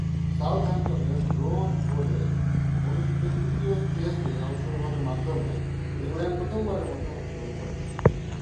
সাউদাম্পটনের Rose বোলে অনুষ্ঠিত তৃতীয় টেস্টে অংশগ্রহণের মাধ্যমে ইংল্যান্ড প্রথমবারের মতো অংশগ্রহণ করে।